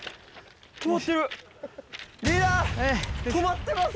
リーダー止まってます。